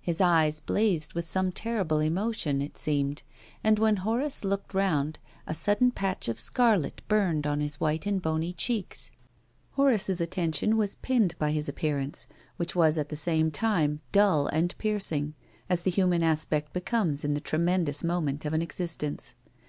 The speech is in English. His eyes blazed with some terrible emotion, it seemed, and when Horace looked round a sudden patch of scarlet burned on his white and bony cheeks. Horace's attention was pinned by his appearance, which was at the same time dull and piercing, as the human aspect becomes in the tremendous moment of an exist ence.